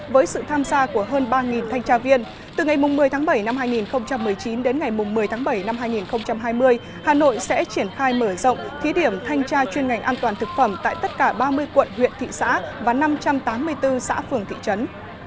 với sự tham gia của hơn ba thanh tra viên từ ngày một mươi tháng bảy năm hai nghìn một mươi chín đến ngày một mươi tháng bảy năm hai nghìn hai mươi hà nội sẽ triển khai mở rộng thí điểm thanh tra chuyên ngành an toàn thực phẩm tại tất cả ba mươi quận huyện thị xã và năm trăm tám mươi bốn xã phường thị trấn